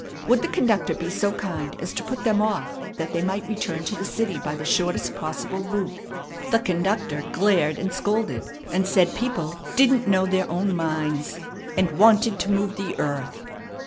Would the conductor be so kind as to put them off that they might return to the city by the shortest possible route? The conductor glared and scolded, and said people "didn't know their own minds," and "wanted to move the earth."